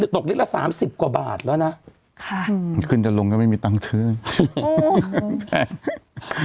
ตกลิตรละสามสิบกว่าบาทแล้วนะค่ะขึ้นจะลงก็ไม่มีตังค์ซื้อ